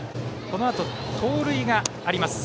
このあと、盗塁があります。